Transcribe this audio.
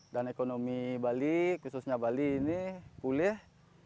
dan ekonomi bali khususnya bali ini pulih